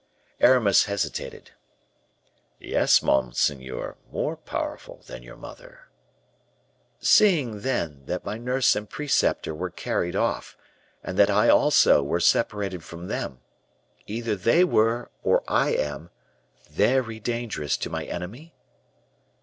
Aramis hesitated. "Yes, monseigneur; more powerful than your mother." "Seeing, then, that my nurse and preceptor were carried off, and that I, also, was separated from them either they were, or I am, very dangerous to my enemy?"